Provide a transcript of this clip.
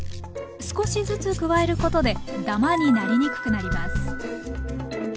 少しずつ加えることでダマになりにくくなります。